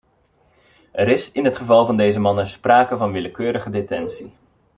Er is in het geval van deze mannen sprake van willekeurige detentie.